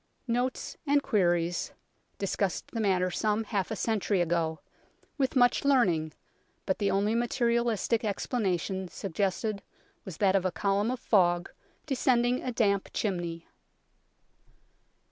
Notes and Queries discussed the matter some half a century ago, with much learning, but the only materialistic explanation suggested was that of a column of fog descending a damp chimney.